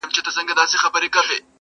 رسېدلی د لېوه په ځان بلاوو٫